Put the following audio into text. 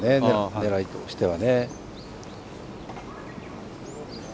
狙いとしては。